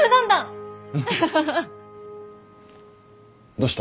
どうした？